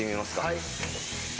はい。